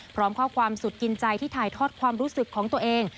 พร้อมข้อความสุดกินใจที่ถ่ายทอดความรู้สึกของตัวเอง